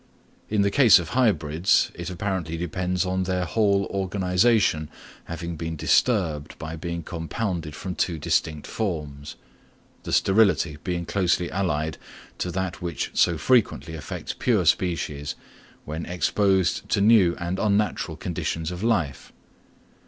In the case of hybrids, it apparently depends on their whole organisation having been disturbed by being compounded from two distinct forms; the sterility being closely allied to that which so frequently affects pure species, when exposed to new and unnatural conditions of life.